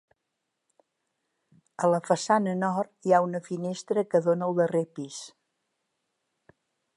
A la façana nord hi ha una finestra que dóna al darrer pis.